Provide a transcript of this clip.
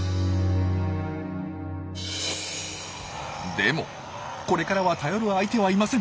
でもこれからは頼る相手はいません。